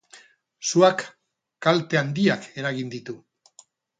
Suak kalte handiak eragin ditu.